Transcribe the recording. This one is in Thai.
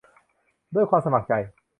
ด้วยความสมัครใจ